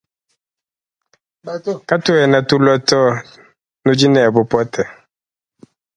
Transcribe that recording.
Katuena tulua to nudi ne bupote.